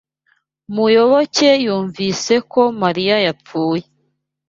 Muyoboke yumvise ko Mariya yapfuye.